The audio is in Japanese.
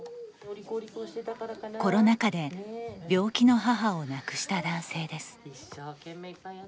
コロナ禍で病気の母を亡くした男性です。